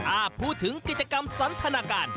ถ้าพูดถึงกิจกรรมสันทนาการ